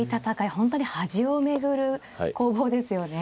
本当に端を巡る攻防ですよね。